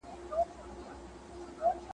کي به ځي کاروان د اوښو ,